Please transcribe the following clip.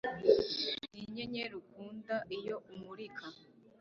ninyenyeri ukunda, iyo imurika